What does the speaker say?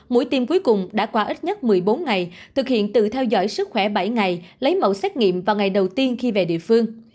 mũi tiêm cuối cùng đã qua ít nhất một mươi bốn ngày thực hiện tự theo dõi sức khỏe bảy ngày lấy mẫu xét nghiệm vào ngày đầu tiên khi về địa phương